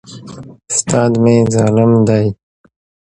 استاد مي ظالم دی.